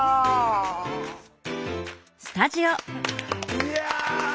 いや！